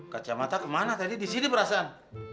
kacamata kemana tadi di sini perasaan